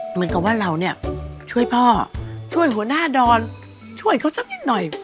เหมือนกับว่าเราเนี่ยช่วยพ่อช่วยหัวหน้าดอนช่วยเขาสักนิดหน่อย